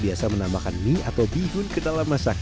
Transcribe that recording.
biasa menambahkan mie atau bihun ke dalam masak